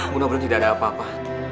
mudah mudahan tidak ada apa apa